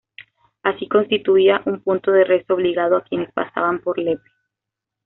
Así, constituía un punto de rezo obligado a quienes pasaban por Lepe.